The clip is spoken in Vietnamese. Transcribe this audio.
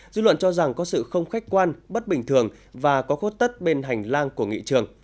dư luận cho rằng có sự không khách quan bất bình thường và có khuất tất bên hành lang của nghị trường